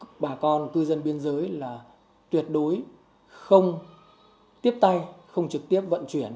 cả con cư dân biên giới là tuyệt đối không tiếp tay không trực tiếp vận chuyển